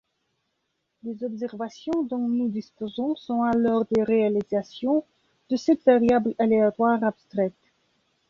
Les observations dont nous disposons sont alors des réalisations de cette variable aléatoire abstraite.